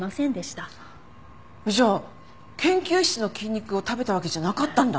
じゃあ研究室の菌肉を食べたわけじゃなかったんだ。